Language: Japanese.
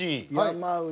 山内。